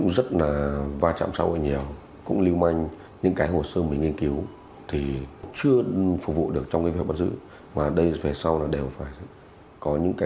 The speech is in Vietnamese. đưa vào duyện